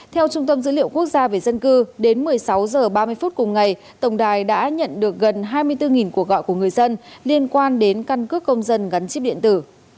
theo trung tâm dữ liệu quốc gia về dân cư đến một mươi sáu h ba mươi phút cùng ngày tổng đài đã nhận được gần hai mươi bốn cuộc gọi của người dân liên quan đến căn cước công dân gắn chip điện tử